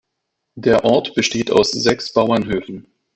Der Ort besteht aus sechs Bauernhöfen.